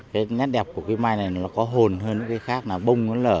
cái nét đẹp của cây mai này nó có hồn hơn cái khác là bông nó lở